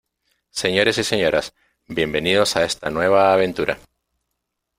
Señores y señoras, bienvenidos a está nueva aventura.